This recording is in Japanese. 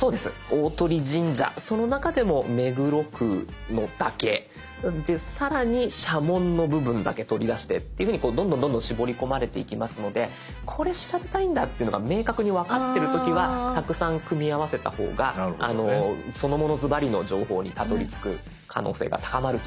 大鳥神社その中でも目黒区のだけ更に社紋の部分だけ取り出してっていうふうにどんどんどんどん絞り込まれていきますのでこれ調べたいんだっていうのが明確に分かってる時はたくさん組み合わせた方がそのものずばりの情報にたどりつく可能性が高まると思います。